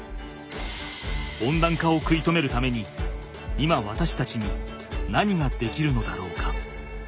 温暖化を食い止めるために今わたしたちに何ができるのだろうか？